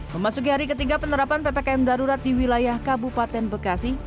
memasuki hari ketiga penerapan ppkm darurat di wilayah kabupaten bekasi